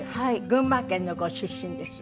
群馬県のご出身です。